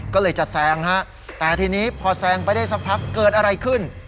ก็เลยจะแซงฮะแต่ทีนี้พอแซงไปได้สักพักเกิดอะไรขึ้น